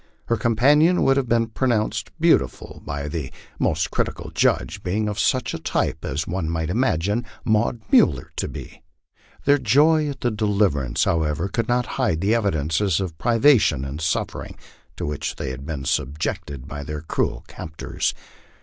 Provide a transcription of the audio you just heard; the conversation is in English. Her companion would have been pronounced beautiful by the 11Y LIFE ON THE PLAINS. 251 most critical judge, being of such a type as one uiight imagine Maud Miiller to be. Their joy at their deliverance, however, could not hide the evidences of privation and suffering to which they had been subjected by their cruel cap tors.